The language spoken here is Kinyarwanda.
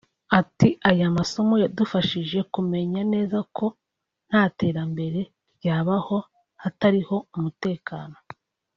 Ati “Aya masomo yadufashije kumenya neza ko nta terambere ryabaho hatariho umutekano